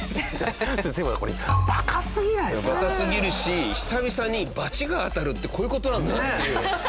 バカすぎるし久々に罰が当たるってこういう事なんだっていう。